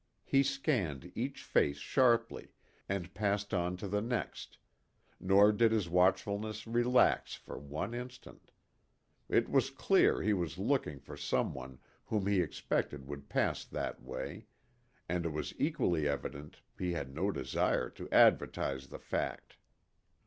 He scanned each face sharply, and passed on to the next; nor did his watchfulness relax for one instant. It was clear he was looking for some one whom he expected would pass that way, and it was equally evident he had no desire to advertise the fact.